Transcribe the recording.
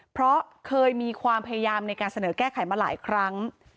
เพราะเคยมีความพยายามในการเสนอแก้ไขมาหลายครั้ง